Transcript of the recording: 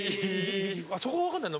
そこが分かんない。